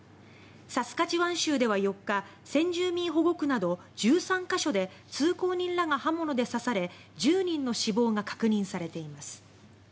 サスカチワン州では４日先住民保護区など１３か所で通行人らが刃物で刺され１０人の死亡が確認されています。